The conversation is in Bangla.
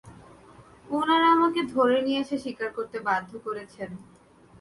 উনারা আমাকে ধরে নিয়ে এসে স্বীকার করতে বাধ্য করেছেন।